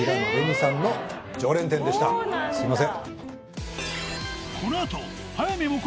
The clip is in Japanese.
すいません！